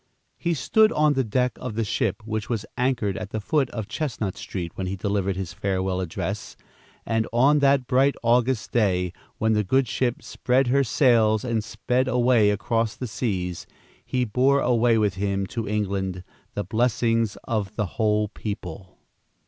He stood on the deck of the ship which was anchored at the foot of Chestnut Street, when he delivered his farewell address, and on that bright August day, when the good ship spread her sails and sped away across the seas, he bore away with him to England the blessings of the whole people.